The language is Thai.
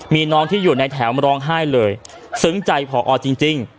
มีน้องที่อยู่ในแถวมาร้องไห้เลยซึ้งใจผอจริง